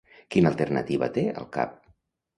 Quina alternativa té al cap?